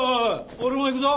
俺も行くぞ。